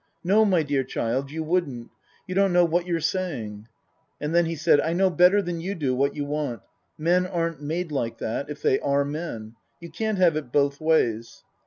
" No, my dear child, you wouldn't. You don't know what you're saying." And then he said, " I know better than you do what you want. Men aren't made like that if they are men. You can't have it both ways."